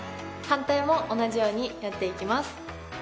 反対も同じようにやっていきます。